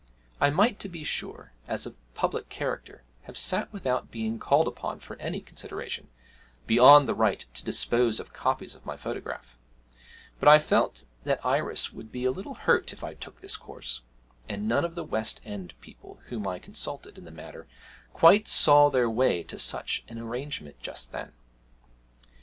I might, to be sure, as a public character, have sat without being called upon for any consideration, beyond the right to dispose of copies of my photograph; but I felt that Iris would be a little hurt if I took this course, and none of the West end people whom I consulted in the matter quite saw their way to such an arrangement just then.